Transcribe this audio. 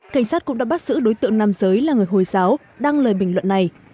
cảnh sát cũng đã bắt giữ đối tượng nam giới là người hồi giáo đăng lời bình luận này